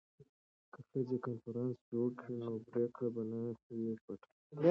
که ښځې کنفرانس جوړ کړي نو پریکړه به نه وي پټه.